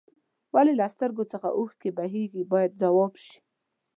ولې له سترګو څخه اوښکې بهیږي باید ځواب شي.